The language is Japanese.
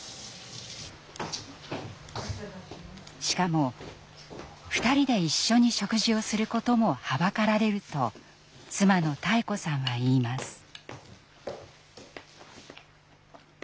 しかも２人で一緒に食事をすることもはばかられると妻の妙子さんは言います。